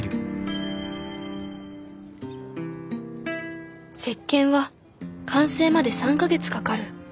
心の声石鹸は完成まで３か月かかる。